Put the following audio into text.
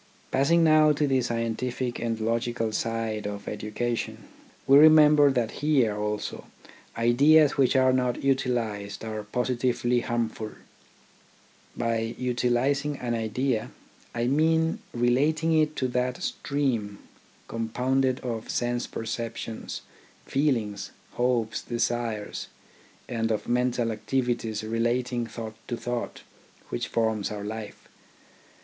Passing now to the scientific and logical side of education, we remember that here also ideas which are not utilised are positively harmful. By utilising an idea, I mean relating it to that stream, compounded of sense perceptions, feel ings, hopes, desires, and of mental activities relating thought to thought, which forms our life.